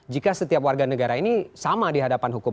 jika setiap warga negara ini sama dihadapan hukum